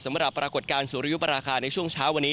สำหรับปรากฏการณ์สรุปราคาในช่วงเช้าวันนี้